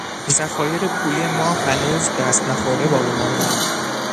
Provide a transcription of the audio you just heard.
ذخایر پولی ما هنوز دست نخورده باقی ماندهاند.